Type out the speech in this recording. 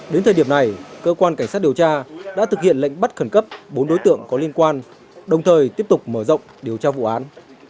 đến thời điểm này cơ quan cảnh sát điều tra đã thực hiện lệnh bắt khẩn cấp bốn đối tượng có liên quan đồng thời tiếp tục mở rộng điều tra vụ án